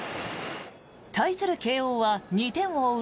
対する慶応は２点を追う